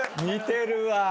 似てるわ。